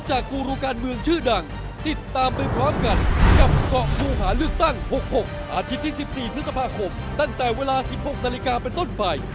สวัสดีครับทุกคน